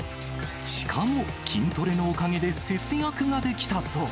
しかも、筋トレのおかげで節約ができたそう。